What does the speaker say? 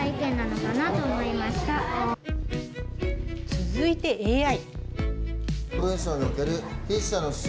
続いてＡＩ。